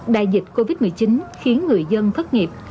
đại dịch covid một mươi chín khiến người dân thất nghiệp